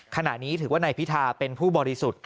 ขณะนี้ถือว่านายพิธาเป็นผู้บริสุทธิ์